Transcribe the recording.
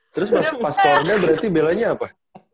terus pas porda berarti belanya apa